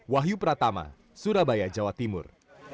wahyu pratama surabaya jawa timur